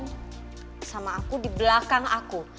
sama aku di belakang aku